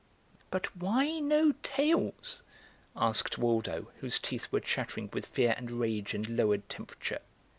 "But why no tails?" asked Waldo, whose teeth were chattering with fear and rage and lowered temperature.